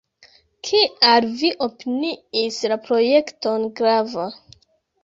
Kial vi opiniis la projekton grava?